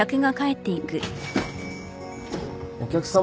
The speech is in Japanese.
お客さん